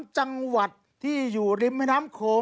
จังหวัดที่อยู่ริมแม่น้ำโขง